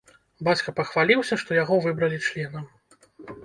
Бацька пахваліўся, што яго выбралі членам.